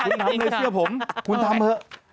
คุณทำในเสื้อผมคุณทำเถอะ